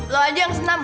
lo aja yang senam